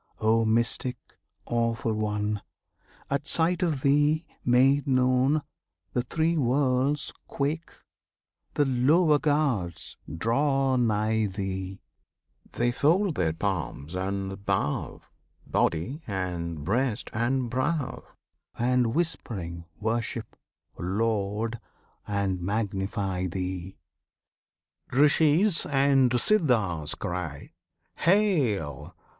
O Mystic, Awful One! At sight of Thee, made known, The Three Worlds quake; the lower gods draw nigh Thee; They fold their palms, and bow Body, and breast, and brow, And, whispering worship, laud and magnify Thee! Rishis and Siddhas cry "Hail!